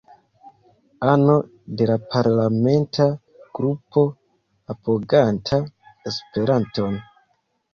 Ano de la Parlamenta Grupo Apoganta Esperanton.